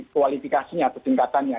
kualifikasinya atau tingkatannya